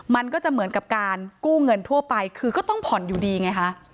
มันก็จะเหมือนกับการกู้เงินทั่วไปคือก็ต้องผ่อนอยู่ดีไงคะ